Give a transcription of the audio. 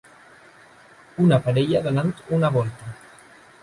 Una parella donant una volta.